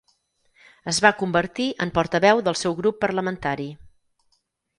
Es va convertir en portaveu del seu grup parlamentari.